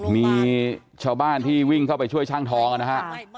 มีชาวบ้านที่วิ่งเข้าไปช่วยช่างทองนะฮะ